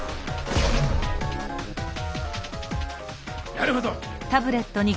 なるほど！